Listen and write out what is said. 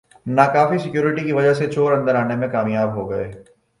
ناکافی سیکورٹی کی وجہ سےچور اندر آنے میں کامیاب ہوگئے